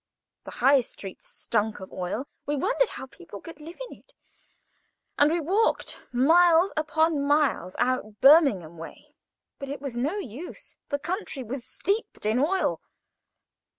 The High Street stunk of oil; we wondered how people could live in it. And we walked miles upon miles out Birmingham way; but it was no use, the country was steeped in oil.